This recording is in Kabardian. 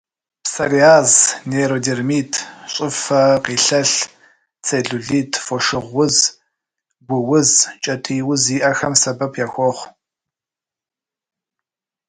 Псориаз, нейродермит, щӏыфэ къилъэлъ, целлюлит, фошыгъу уз, гу уз, кӏэтӏий уз зиӏэхэм сэбэп яхуохъу.